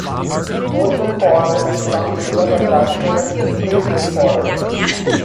Coastal forests in some areas are classified as temperate rain forest.